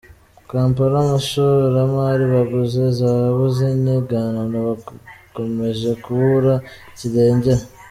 Kampala Abashoramari baguze zahabu z’inyiganano bakomeje kubura kirengera